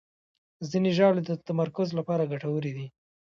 ځینې ژاولې د تمرکز لپاره ګټورې دي.